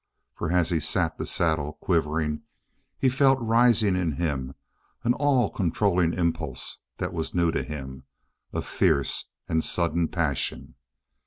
For as he sat the saddle, quivering, he felt rising in him an all controlling impulse that was new to him, a fierce and sudden passion.